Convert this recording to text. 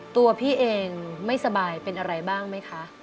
ตัวพี่เองไม่สบายเป็นอะไรบ้างไหมคะ